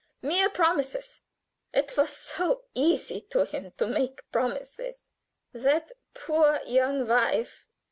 Mere promises! It was so easy to him to make promises. "That poor young wife!